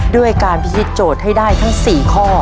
ด้วยการพิธีโจทย์ให้ได้ทั้ง๔ข้อ